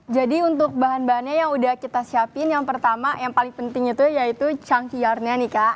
jadi untuk bahan bahannya yang udah kita siapin yang pertama yang paling penting itu yaitu chunky yarn nya nih kak